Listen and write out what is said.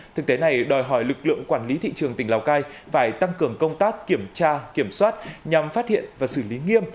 thực tế này đòi hỏi lực lượng quản lý thị trường tỉnh lào cai phải tăng cường công tác kiểm tra kiểm soát nhằm phát hiện và xử lý nghiêm